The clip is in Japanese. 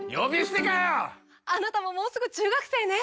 あなたももうすぐ中学生ね！